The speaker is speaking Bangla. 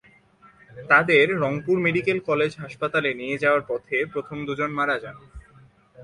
তাঁদের রংপুর মেডিকেল কলেজ হাসপাতালে নিয়ে যাওয়ার পথে প্রথম দুজন মারা যান।